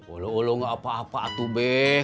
walaulah gak apa apa atubeh